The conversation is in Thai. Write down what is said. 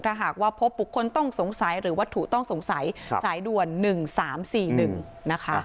ถ้าหากว่าพบบุคคลต้องสงสัยหรือวัตถุต้องสงสัยสายด่วน๑๓๔๑นะคะ